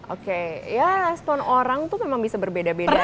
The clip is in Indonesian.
oke ya respon orang tuh memang bisa berbeda beda ya